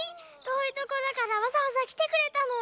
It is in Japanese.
とおいところからわざわざきてくれたの？